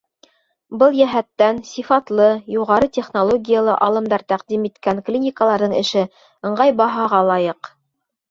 Был йәһәттән, сифатлы, юғары технологиялы алымдар тәҡдим иткән клиникаларҙың эше ыңғай баһаға лайыҡ.